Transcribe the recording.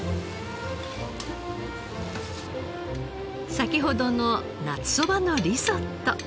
先ほどの夏そばのリゾット。